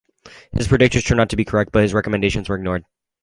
His predictions turned out to be correct, but his recommendations were ignored.